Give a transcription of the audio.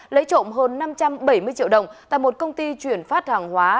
lấy trộm hơn năm trăm bảy mươi triệu đồng tại một công ty chuyển phát hàng hóa